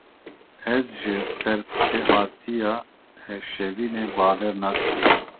Ez ji serpêhatiya Şevînê bawer nakim.